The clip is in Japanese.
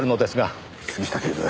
杉下警部